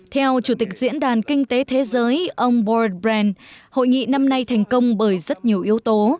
theo chủ tịch diễn đàn kinh tế thế giới ông board brand hội nghị năm nay thành công bởi rất nhiều yếu tố